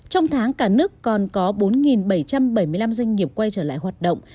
trong tháng cả nước còn có bốn bảy trăm bảy mươi năm doanh nghiệp quay trở lại hoạt động